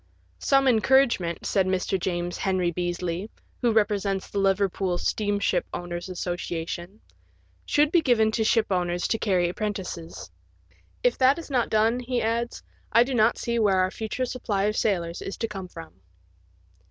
Some encouragement, said Mr. James Henry Beasley — who represents the Liverpool Steamship Owners* Associ * ation — should be given to shipowners to carry apprentices. '*If that is not done," he adds, " I do not see where our future supply of sailors is to come from."